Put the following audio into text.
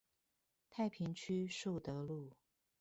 太平區樹德路